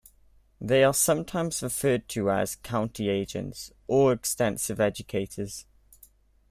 They are sometimes referred to as county agents, or extension educators.